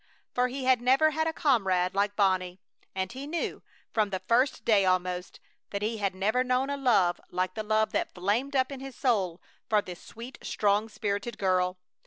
For he had never had a comrade like Bonnie; and he knew, from the first day almost, that he had never known a love like the love that flamed up in his soul for this sweet, strong spirited girl.